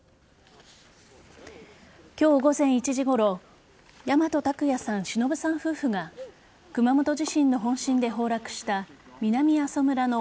今日午前１時ごろ大和卓也さん・忍さん夫婦が熊本地震の本震で崩落した南阿蘇村の